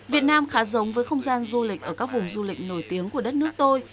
việt nam khá giống với không gian du lịch ở các vùng du lịch nổi tiếng của đất nước tôi